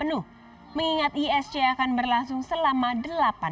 menuh mengingat isc akan berlangsung selama delapan bulan